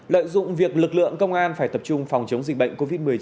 lợi dụng việc lực lượng công an phải tập trung phòng chống dịch bệnh covid một mươi chín